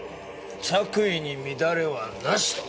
着衣に乱れはなしと。